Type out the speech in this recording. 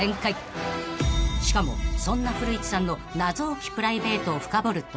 ［しかもそんな古市さんの謎多きプライベートを深掘ると］